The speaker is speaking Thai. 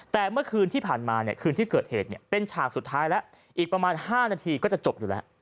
แต่เมื่อคืนที่ผ่านมาเนี่ยคืนที่เกิดเหตุเป็นฉากสุดท้ายแล้วอีกประมาณ๕นาทีก็จะจบอยู่แล้ว